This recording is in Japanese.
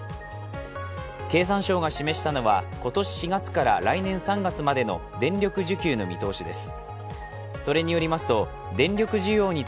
経産省が示したのは今年４月から来年３月までの電力需給の見通しです。